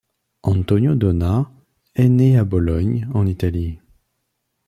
Antonio Donà est né à Bologne, en Italie.